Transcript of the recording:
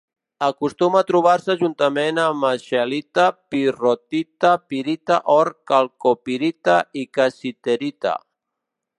Acostuma a trobar-se juntament amb scheelita, pirrotita, pirita, or, calcopirita i cassiterita.